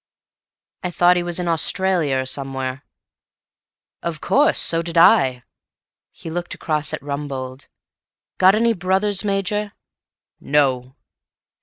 "I thought he was in Australia, or somewhere." "Of course. So did I." He looked across at Rumbold. "Got any brothers, Major?" "No."